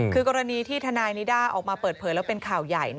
คือกรณีที่ทนายนิด้าออกมาเปิดเผยแล้วเป็นข่าวใหญ่